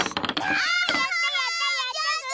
あやったやったやったぐ！